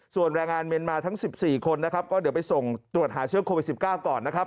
ส่วนแรงงานเมียนมาทั้ง๑๔คนนะครับก็เดี๋ยวไปส่งตรวจหาเชื้อโควิด๑๙ก่อนนะครับ